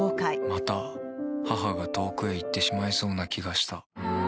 また母が遠くへ行ってしまいそうな気がした。